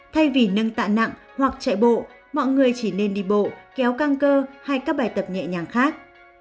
thay vì nâng tạ nặng hoặc chạy bộ mọi người chỉ nên đi bộ kéo căng cơ hay các bài tập nhẹ nhàng khác